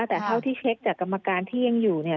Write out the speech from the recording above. แต่เท่าที่เช็คจากกรรมการที่ยังอยู่เนี่ย